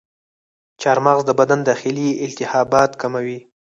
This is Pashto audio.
چارمغز د بدن داخلي التهابات کموي.